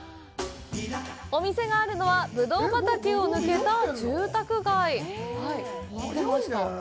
お店があるのは、ぶどう畑を抜けた住宅街。